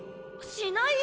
しないよ